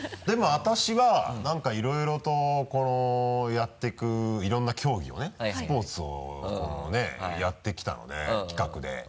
でも私は何かいろいろとこのやっていくいろんな競技をねスポーツをこのねやってきたので企画で。